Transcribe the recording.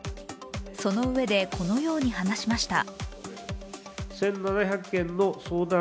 そのうえでこのように話しました。